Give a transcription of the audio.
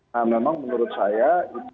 nah memang menurut saya